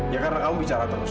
ya karena kamu bicara terus